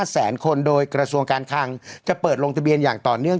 แสนคนโดยกระทรวงการคังจะเปิดลงทะเบียนอย่างต่อเนื่อง